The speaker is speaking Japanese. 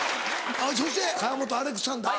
そして川本アレクサンダー。